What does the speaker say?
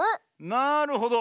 なるほど！